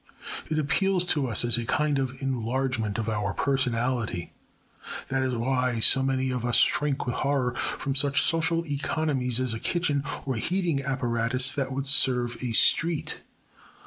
It appeals to us as a kind of enlargement of our personality. That is why so many of us shrink with horror from such social economies as a kitchen or a heating apparatus that would serve a street.